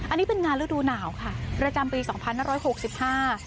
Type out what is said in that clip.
อันนี้เป็นงานฤดูหนาวค่ะประจำปีสองพันห้าร้อยหกสิบห้า